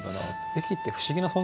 駅って不思議な存在ですよね